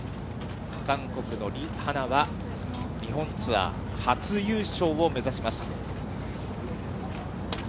韓国のリ・ハナは、日本ツアー初優勝を目指します。